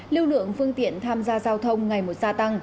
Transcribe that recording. lưu lượng phương tiện tham gia giao thông ngày một gia tăng